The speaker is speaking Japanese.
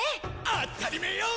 あったりめえよ！